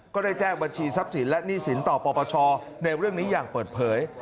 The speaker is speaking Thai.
ก็ได้แจ้งบัญชีทรัพย์สินและหนี้สินต่อปปชในเรื่องนี้อย่างเปิดเผย